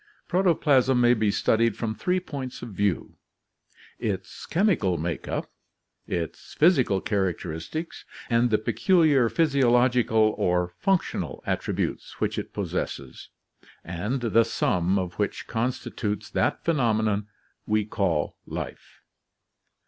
Protoplasm may be studied from three points of view: its chem ical make up, its physical characteristics, and the peculiar physio 17 18 ORGANIC EVOLUTION logical or functional attributes which it possesses, and the sum of which constitutes that phenomenon we call life.